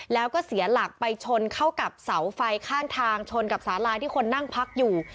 แล้วก็เสียหลักไปชนเข้ากับเสาไฟข้างทางชนกับสาลาที่คนนั่งพักอยู่